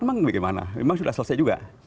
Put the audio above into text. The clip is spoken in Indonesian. emang gimana emang sudah selesai juga